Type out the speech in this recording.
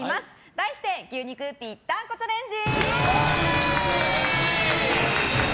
題して牛肉ぴったんこチャレンジ。